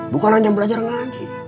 bukan hanya belajar ngaji